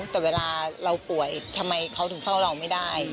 แต่เวลาเราป่วยทำไมเขาถึงเฝ้าเราไม่ได้